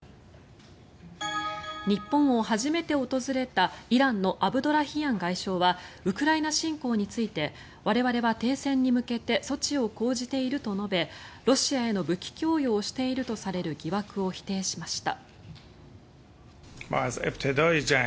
日本を初めて訪れたイランのアブドラヒアン外相はウクライナ侵攻について我々は停戦に向けて措置を講じていると述べロシアへの武器供与をしているとされる疑惑を否定しました。